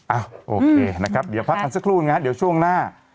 โอเคนะครับเดี๋ยวพักกันสักครู่นะฮะเดี๋ยวช่วงหน้า